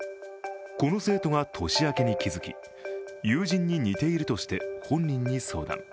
この生徒が年明けに気づき友人に似ているとして本人に相談。